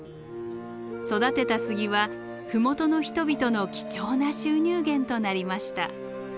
育てた杉は麓の人々の貴重な収入源となりました。